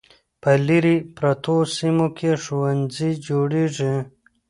په لیرې پرتو سیمو کې ښوونځي جوړیږي.